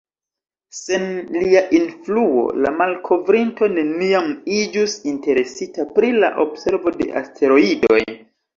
Sen lia influo, la malkovrinto neniam iĝus interesita pri la observo de asteroidoj.